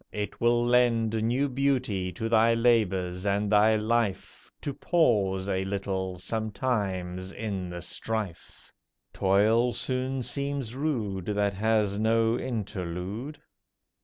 It will lend New beauty to thy labours and thy life To pause a little sometimes in the strife. Toil soon seems rude That has no interlude.